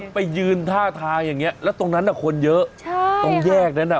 ไปยืนท่าทางอย่างนี้แล้วตรงนั้นคนเยอะใช่ตรงแยกนั้นอ่ะ